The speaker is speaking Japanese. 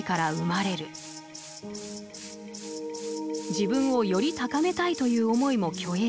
自分をより高めたいという思いも虚栄心。